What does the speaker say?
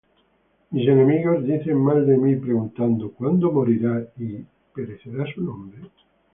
Mis enemigos dicen mal de mí preguntando: ¿Cuándo morirá, y perecerá su nombre?